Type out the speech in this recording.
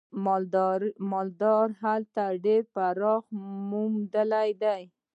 مالدارۍ هلته ډېره پراختیا موندلې ده.